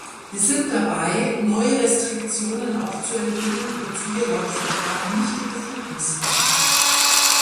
Wir sind dabei, neue Restriktionen aufzuerlegen, wozu wir laut Vertrag nicht die Befugnis haben.